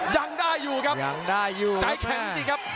ยังได้อยู่ครับใจแข็งจริงครับ